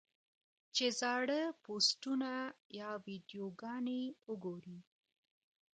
چې زاړۀ پوسټونه يا ويډيوګانې اوګوري -